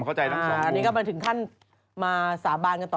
อันนี้ก็มาถึงขั้นมาสาบานกันต่อ